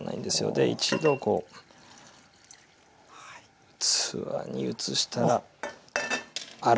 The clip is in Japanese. で一度こう器に移したらあら